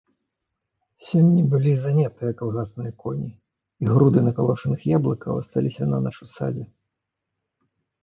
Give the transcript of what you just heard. Сёння былі занятыя калгасныя коні, і груды накалочаных яблыкаў асталіся нанач у садзе.